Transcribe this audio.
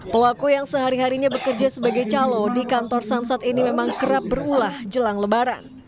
pelaku yang sehari harinya bekerja sebagai calo di kantor samsat ini memang kerap berulah jelang lebaran